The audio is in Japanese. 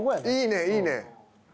いいねいいね。